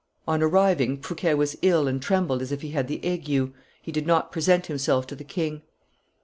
On arriving, Fouquet was ill and trembled as if he had the ague; he did not present himself to the king.